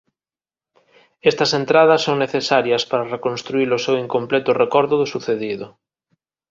Estas entradas son necesarias para reconstruír o seu incompleto recordo do sucedido.